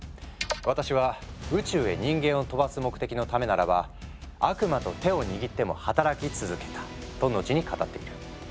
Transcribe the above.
私は宇宙へ人間を飛ばす目的のためならば悪魔と手を握っても働き続けた」と後に語っている。